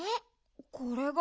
これが？